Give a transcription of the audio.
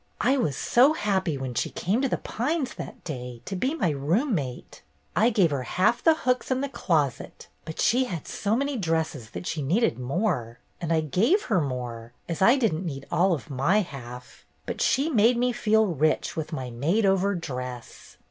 "I was so happy when she came to ' The Pines ' that day, to be my roommate. I gave her half the hooks in the closet, but she had so many dresses that she 288 BETTY BAIRD'S GOLDEN YEAR needed more, and I gave her more, as I did n't need all of my half, but she made me feel rich with my made over dress.